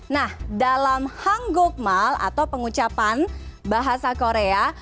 nah dalam hanggokmal atau pengucapan bahasa korea